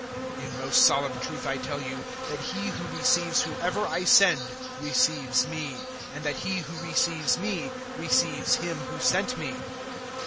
013:020 In most solemn truth I tell you that he who receives whoever I send receives me, and that he who receives me receives Him who sent me."